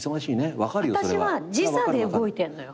私は時差で動いてんのよ。